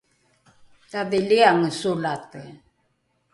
tadhiliange solate